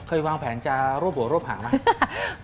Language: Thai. วางแผนจะรวบหัวรวบหาไหม